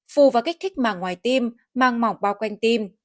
phù và kích thích mảng ngoài tim mảng mỏng bao quanh tim